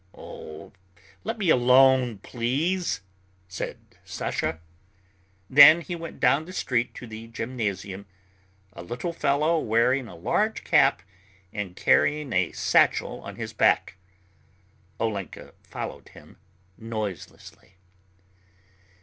"Oh, let me alone, please," said Sasha. Then he went down the street to the gymnasium, a little fellow wearing a large cap and carrying a satchel on his back. Olenka followed him noiselessly.